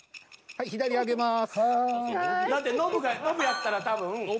はい上げます。